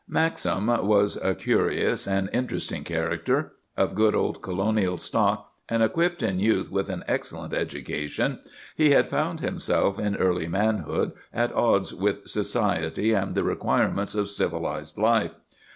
"Maxim was a curious and interesting character. Of good old Colonial stock, and equipped in youth with an excellent education, he had found himself, in early manhood, at odds with society and the requirements of civilized life.